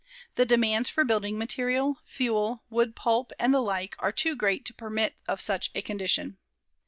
The demands for building material, fuel, wood pulp and the like are too great to permit of such a condition.